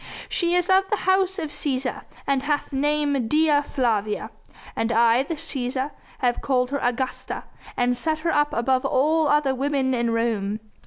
She is of the House of Cæsar, and hath name Dea Flavia; and I, the Cæsar, have called her Augusta, and set her up above all other women in Rome.